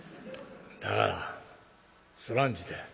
「だからそらんじて」。